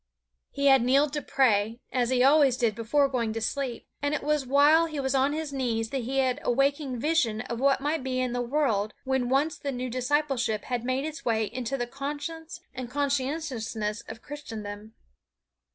He had kneeled to pray, as he always did before going to sleep, and it was while he was on his knees that he had a waking vision of what might be in the world when once the new discipleship had made its way into the conscience and conscientiousness of Christendom.